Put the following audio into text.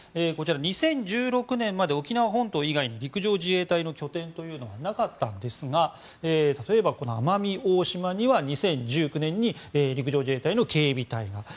こちら、２０１６年まで沖縄本島以外に陸上自衛隊の拠点というのはなかったんですが例えば奄美大島には２０１９年に陸上自衛隊の警備隊が。